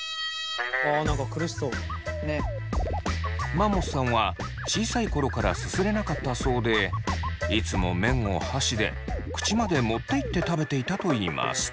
マンモスさんは小さい頃からすすれなかったそうでいつも麺を箸で口まで持っていって食べていたといいます。